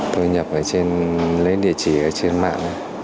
tôi nhập ở trên lấy địa chỉ ở trên mạng